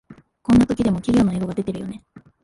こんな時でも企業のエゴが出てるよね